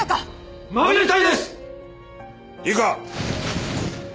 いいか？